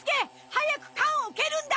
早く缶をけるんだ！